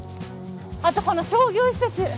あとこの商業施設。